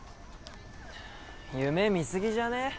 夢見すぎじゃね？